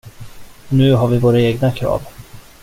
Och nu har vi våra egna krav.